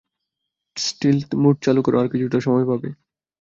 স্টিলথ mode চালু করো, আমরা কিছুটা সময় পাবো।